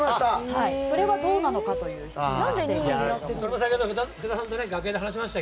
それは、どうなのかという質問が来ています。